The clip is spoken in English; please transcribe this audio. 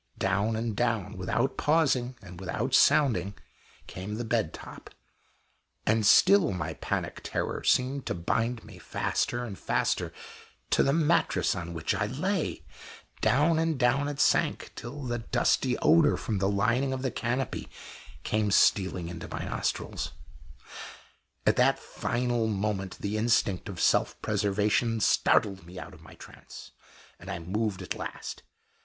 Down and down, without pausing and without sounding, came the bed top, and still my panic terror seemed to bind me faster and faster to the mattress on which I lay down and down it sank, till the dusty odor from the lining of the canopy came stealing into my nostrils. At that final moment the instinct of self preservation startled me out of my trance, and I moved at last.